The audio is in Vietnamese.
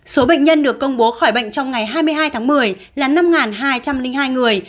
số bệnh nhân được công bố khỏi bệnh trong ngày hai mươi hai tháng một mươi là năm hai trăm linh hai người